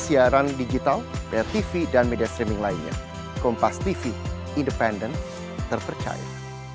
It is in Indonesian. jangan silakan umbrella tv dan media streaming lainnya